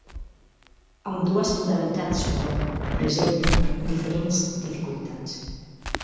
Ambdues modalitats, però, presenten diferents dificultats.